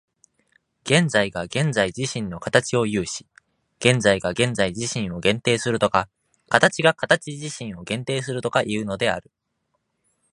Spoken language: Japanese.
現在が現在自身の形を有し、現在が現在自身を限定するとか、形が形自身を限定するとかいうのである。